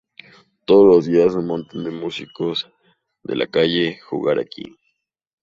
Todos los días un montón de músicos de la calle jugar aquí.